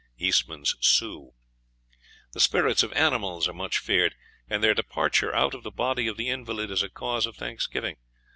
(Eastman's "Sioux.") The spirits of animals are much feared, and their departure out of the body of the invalid is a cause of thanksgiving.